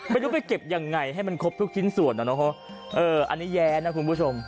ไม่รู้ไปเก็บยังไงให้มันครบทุกชิ้นส่วนอ่ะเนอะเอออันนี้แย้นะคุณผู้ชม